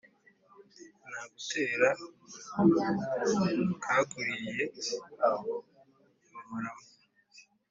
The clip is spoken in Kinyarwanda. Nagutera akakuriye mu murama